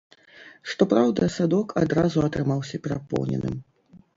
Што праўда, садок адразу атрымаўся перапоўненым.